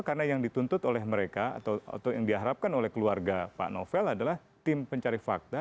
karena yang dituntut oleh mereka atau yang diharapkan oleh keluarga pak novel adalah tim pencari fakta